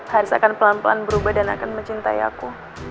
harus akan pelan pelan berubah dan akan mencintai aku